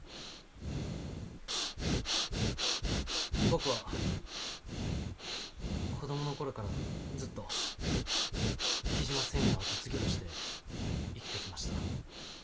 僕は子供の頃からずっと雉真繊維の後継ぎとして生きてきました。